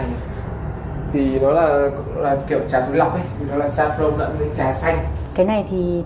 cũng như là touch fruits v v